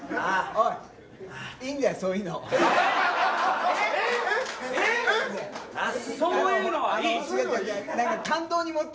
おい、いいんだよ、そういうえっ？